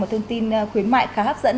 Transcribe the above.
một thông tin khuyến mại khá hấp dẫn